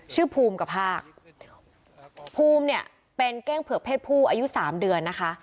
ภูมิกับภาคภูมิเนี่ยเป็นเก้งเผือกเพศผู้อายุสามเดือนนะคะ